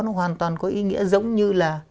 nó hoàn toàn có ý nghĩa giống như là